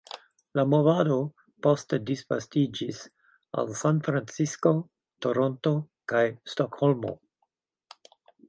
La movado poste disvastiĝis al Sanfrancisko, Toronto, kaj Stokholmo.